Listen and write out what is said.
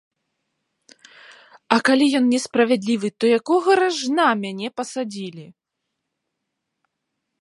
А калі ён несправядлівы, то якога ражна мяне пасадзілі?